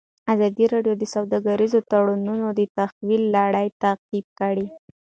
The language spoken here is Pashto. ازادي راډیو د سوداګریز تړونونه د تحول لړۍ تعقیب کړې.